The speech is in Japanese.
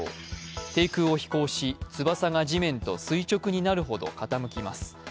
低空を飛行し、翼が地面と垂直になるほど傾きます。